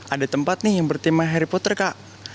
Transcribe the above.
ada tempat nih yang bertema harry potter kak